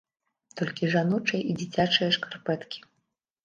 Толькі жаночыя і дзіцячыя шкарпэткі.